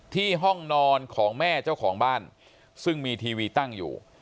ห้องนอนของแม่เจ้าของบ้านซึ่งมีทีวีตั้งอยู่